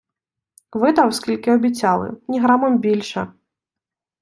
Видав, скільки обіцяли, ні грамом більше.